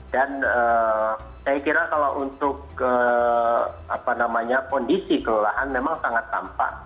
dan saya kira kalau untuk kondisi kelolaan memang sangat tampak